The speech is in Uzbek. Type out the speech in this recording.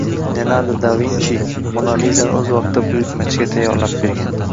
Leonardo da Vinchi Mona Lizani õz vaqtida buyurtmachiga tayyorlab bergan.